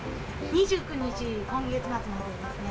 ２９日、今月末までですね。